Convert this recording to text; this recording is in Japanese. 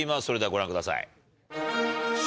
それではご覧ください。